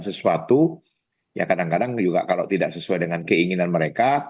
sesuatu yang kadang kadang juga kalau tidak sesuai dengan keinginan mereka